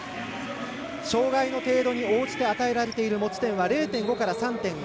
障がいの程度に応じて与えられている点数は０．５から３．５。